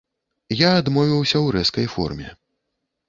Я адмовіўся ў рэзкай форме.